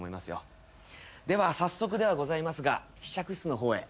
では早速ではございますが試着室の方へ。